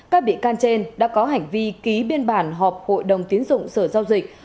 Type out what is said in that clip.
các bị can trên đã có hành vi ký biên bản họp hội đồng tiến dụng sở giao dịch